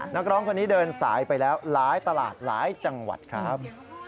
นักร้องคนนี้เดินสายไปแล้วหลายตลาดหลายจังหวัดครับ